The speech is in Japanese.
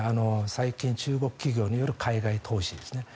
最近、中国企業による海外投資ですね。